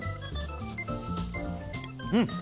うん。